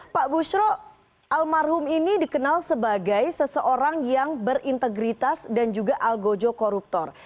pak bushro almarhum ini dikenal sebagai seseorang yang berintegritas dan juga algojo koruptor